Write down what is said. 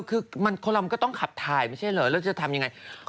คือคนเรามันก็ต้องขับถ่ายไม่ใช่เหรอแล้วจะทำยังไง